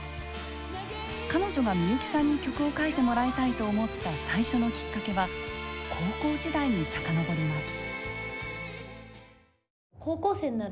彼女がみゆきさんに曲を書いてもらいたいと思った最初のきっかけは高校時代に遡ります。